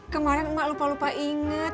kemaren mak lupa lupa inget